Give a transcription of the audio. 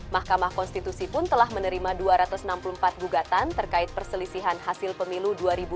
mahkamah konstitusi pun telah menerima dua ratus enam puluh empat gugatan terkait perselisihan hasil pemilu dua ribu dua puluh